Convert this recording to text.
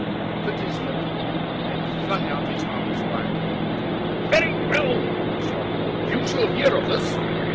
He bit his lip and then flung out his arms wildly. "Very well!" he shouted, "you shall hear of this!